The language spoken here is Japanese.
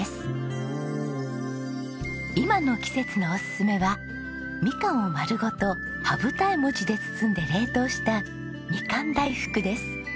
今の季節のおすすめはみかんをまるごと羽二重餅で包んで冷凍したみかん大福です。